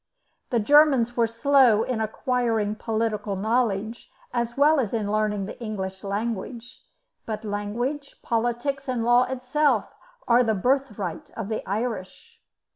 The Germans were slow in acquiring political knowledge as well as in learning the English language; but language, politics, and law itself are the birthright of the Irish.